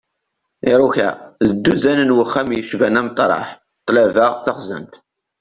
Iruka, d dduzan n wexxam yecban ameṭreḥ, ṭṭlaba, taxzant...